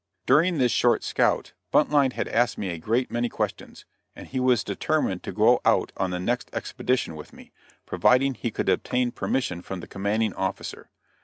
During this short scout, Buntline had asked me a great many questions, and he was determined to go out on the next expedition with me, providing he could obtain permission from the commanding officer.